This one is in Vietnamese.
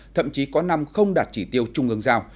thậm chí có năm không đạt chỉ tiêu trung ương giao